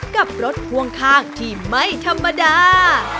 กับรถพ่วงข้างที่ไม่ธรรมดา